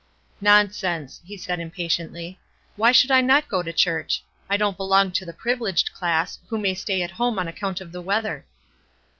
"Nonsense!" he said impatiently. "Why should I not go to church? I don't belong to the privileged class, who may stay at home on account of the weather."